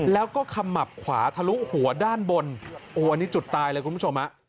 แล้วก็ขมับขวาทะลุหัวด้านบนโอ้อันนี้จุดตายเลยคุณผู้ชมฮะ